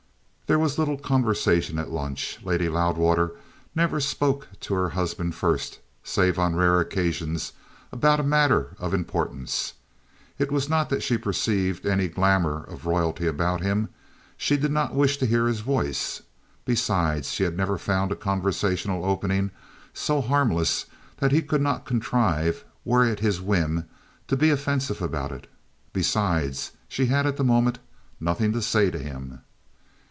There was little conversation at lunch. Lady Loudwater never spoke to her husband first, save on rare occasions about a matter of importance. It was not that she perceived any glamour of royalty about him; she did not wish to hear his voice. Besides, she had never found a conversational opening so harmless that he could not contrive, were it his whim, to be offensive about it. Besides, she had at the moment nothing to say to him.